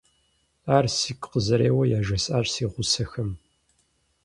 Ар сигу къызэреуэр яжесӀащ си гъусэхэм.